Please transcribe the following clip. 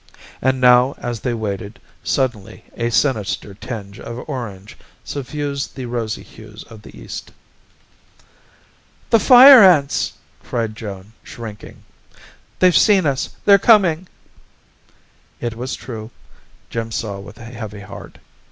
And now, as they waited, suddenly a sinister tinge of orange suffused the rosy hues of the east. "The Fire Ants!" cried Joan, shrinking. "They've seen us! They're coming!" It was true, Jim saw with a heavy heart.